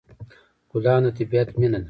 ګلان د طبیعت مینه ده.